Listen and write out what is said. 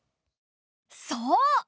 そう。